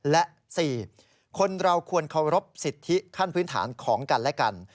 และ๔คนเราควรเคารพสิทธิขั้นพื้นฐานของกันและกัน